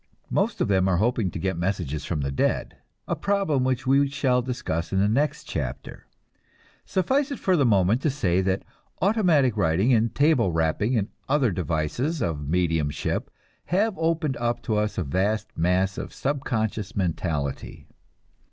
Most of them are hoping to get messages from the dead a problem which we shall discuss in the next chapter. Suffice it for the moment to say that automatic writing and table rapping and other devices of mediumship have opened up to us a vast mass of subconscious mentality.